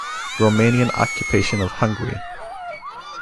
Romanian occupation of Hungary.